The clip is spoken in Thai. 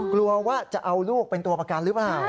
กลัวว่าจะเอาลูกเป็นตัวประกันหรือเปล่า